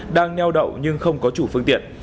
đang nheo đậu nhưng không có chủ phương tiện